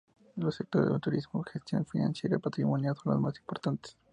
Los sectores de turismo, gestión financiera y patrimonial son los más importantes.